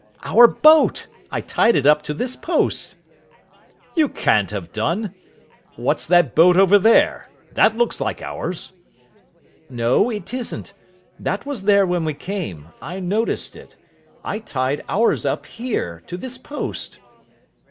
"Our boat. I tied it up to this post." "You can't have done. What's that boat over there! That looks like ours." "No, it isn't. That was there when we came. I noticed it. I tied ours up here, to this post."